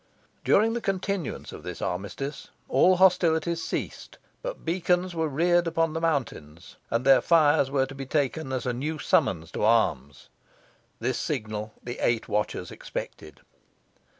During the continuance of this armistice all hostilities ceased; but beacons were reared upon the mountains, and their fires were to be taken as a new summons to arms. This signal the eight watchers expected.